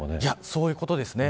そういうことですね。